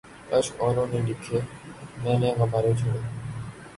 اشک اوروں نے لکھے مَیں نے غبارے چھوڑے